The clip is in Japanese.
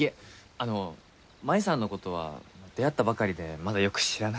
あの真夢さんの事は出会ったばかりでまだよく知らないんですけど。